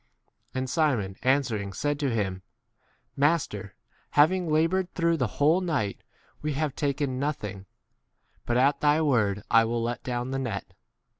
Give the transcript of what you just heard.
And Simon answering said to him, Master, having laboured through the whole night we have taken nothing, but at thy word I will 6 let down the net.